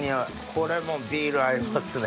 これもビール合いますね。